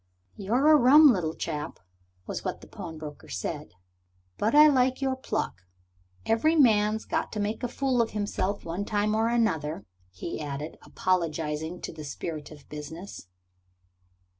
"You're a rum little chap," was what the pawnbroker said, "but I like your pluck. Every man's got to make a fool of himself one time or the other," he added, apologizing to the spirit of business.